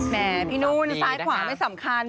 แม่พี่นุ่นซ้ายขวาไม่สำคัญ